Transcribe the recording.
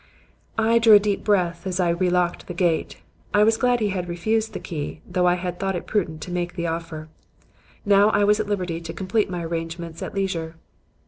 "I drew a deep breath as I re locked the gate. I was glad he had refused the key, though I had thought it prudent to make the offer. Now I was at liberty to complete my arrangements at leisure.